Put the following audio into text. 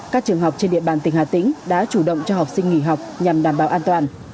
các trường học trên địa bàn tỉnh hà tĩnh đã chủ động cho học sinh nghỉ học nhằm đảm bảo an toàn